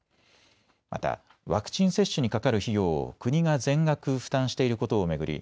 またワクチン接種にかかる費用を国が全額負担していることを巡り